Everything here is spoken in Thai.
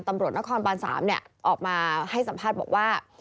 ตำรวจนครบาน๓ออกมาให้สัมภาษณ์บอกว่า